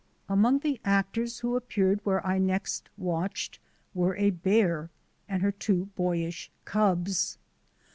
Among the actors who appeared where I next watched were a bear and her two boyish cubs.